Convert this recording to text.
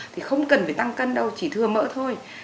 thì không cần phải tăng cân đâu chỉ thừa mỡ thôi